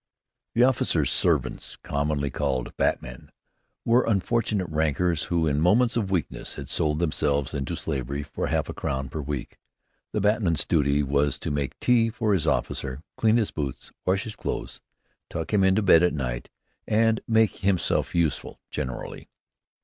The officers' servants, commonly called "batmen," were unfortunate rankers who, in moments of weakness, had sold themselves into slavery for half a crown per week. The batman's duty is to make tea for his officer, clean his boots, wash his clothes, tuck him into bed at night, and make himself useful generally.